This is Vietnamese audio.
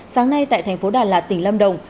sáng nay tại thành phố đà lạt tỉnh lâm đồng